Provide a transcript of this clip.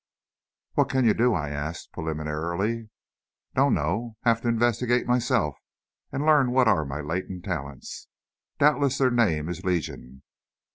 "What can you do?" I asked, preliminarily. "Dunno. Have to investigate myself, and learn what are my latent talents. Doubtless their name is legion.